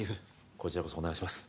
こちらこそお願いします